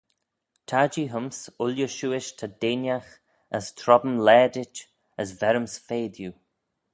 Tar jee hym's ooilley shiuish ta deinagh as trome laadit as verryms fea diu.